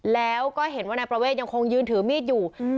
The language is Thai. แล้วก็เห็นว่านายประเวทยังคงยืนถือมีดอยู่